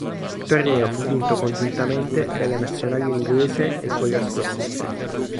Il torneo fu vinto congiuntamente dalla nazionale inglese e quella scozzese.